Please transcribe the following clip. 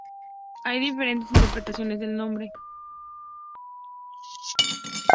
Hay diferentes interpretaciones del nombre.